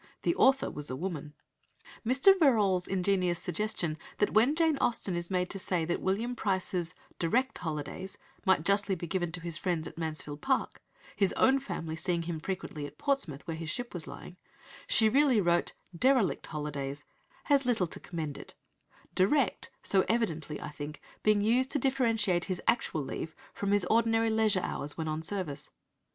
The author was a woman. Mr. Verrall's ingenious suggestion that when Jane Austen is made to say that William Price's "direct holidays" might justly be given to his friends at Mansfield Park (his own family seeing him frequently at Portsmouth, where his ship was lying), she really wrote "derelict holidays," has little to commend it, "direct" so evidently, I think, being used to differentiate his actual leave from his ordinary leisure hours when on service.